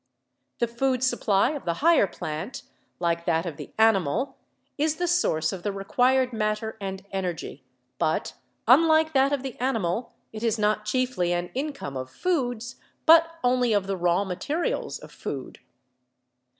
The food supply of the higher plant, like that of the animal, is the source of the required matter and energy, but unlike that of the animal, it is not chiefly an income of foods, but only of the raw materials of food.